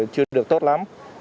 chưa được tốt lắm